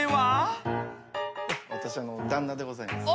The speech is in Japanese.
私旦那でございます。